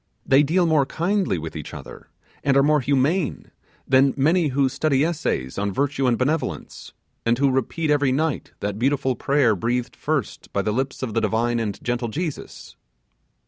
They deal more kindly with each other, and are more humane than many who study essays on virtue and benevolence, and who repeat every night that beautiful prayer breathed first by the lips of the divine and gentle Jesus.